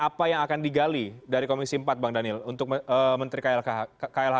apa yang akan digali dari komisi empat bang daniel untuk menteri klhk